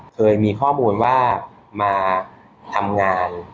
เคยมีข้อมูลว่ามาทำงาน